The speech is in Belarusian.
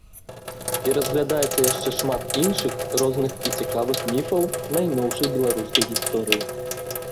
І разглядаецца яшчэ шмат іншых розных і цікавых міфаў найноўшай беларускай гісторыі.